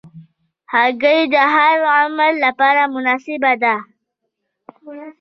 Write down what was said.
هګۍ د هر عمر لپاره مناسبه ده.